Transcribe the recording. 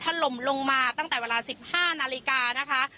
ถล่มลงมาตั้งแต่เวลา๑๕นาฬิกานะคะ